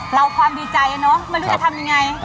เราความดีใจเนอะไม่รู้จะทำยังไง